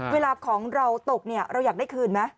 เวลาของเราตกเราอยากได้คืนไหม